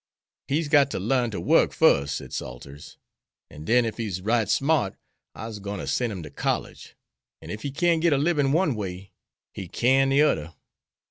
"He's got to larn to work fust," said Salters, "an' den ef he's right smart I'se gwine ter sen' him ter college. An' ef he can't get a libin' one way, he kin de oder."